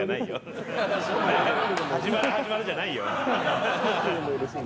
「始まり始まり」じゃないよ。